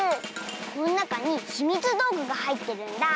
このなかにひみつどうぐがはいってるんだ！